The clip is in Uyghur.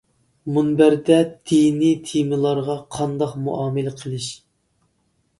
مۇنبەردە دىنىي تېمىلارغا قانداق مۇئامىلە قىلىش.